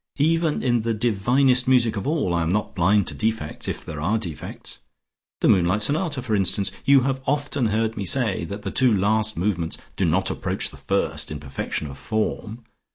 Even in the divinest music of all, I am not blind to defects, if there are defects. The Moonlight Sonata, for instance. You have often heard me say that the two last movements do not approach the first in perfection of form.